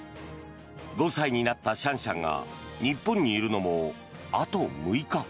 ５歳になったシャンシャンが日本にいるのもあと６日。